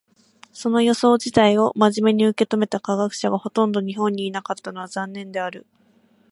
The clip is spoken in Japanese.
その予想自体を真面目に受け止めた科学者がほとんど日本にいなかったのは残念である。